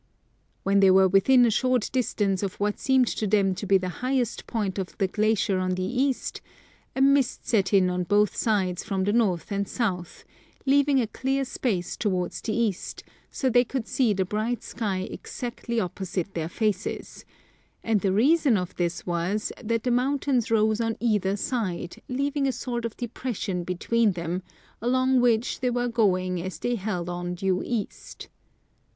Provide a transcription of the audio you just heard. " When they were within a short distance of what seemed to them to be the highest point of the glacier on the east, a mist set in on both sides from the north and south, leaving a clear space towards the east, so that they could see the bright sky exactly 230 r oppos I the n A Mysterious Vale opposite their faces ; and the reason of this was that the mountains rose on either side, leaving a sort of depression between them, along which they were going as they held on due east.